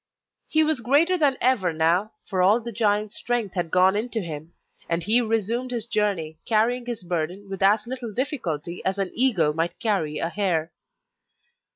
He was greater than ever now, for all the giant's strength had gone into him; and he resumed his journey, carrying his burden with as little difficulty as an eagle might carry a hare.